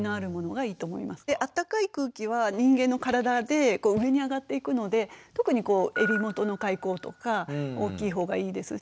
あったかい空気は人間の体で上に上がっていくので特に襟元の開口とか大きい方がいいです。